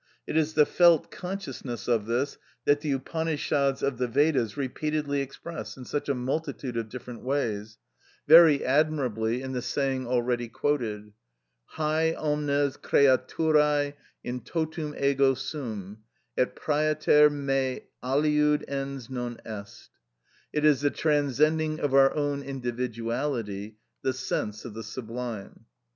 It is the felt consciousness of this that the Upanishads of the Vedas repeatedly express in such a multitude of different ways; very admirably in the saying already quoted: Hæ omnes creaturæ in totum ego sum, et præter me aliud ens non est (Oupnek'hat, vol. i. p. 122.) It is the transcending of our own individuality, the sense of the sublime.